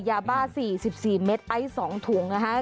ยาบ้า๔๔เมตรไอซ์๒ถุงนะคะ